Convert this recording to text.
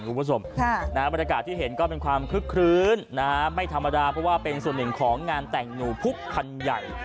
คุณผู้ชมบรรยากาศที่เห็นก็เป็นความคึกคลื้นไม่ธรรมดาเพราะว่าเป็นส่วนหนึ่งของงานแต่งหนูพุกคันใหญ่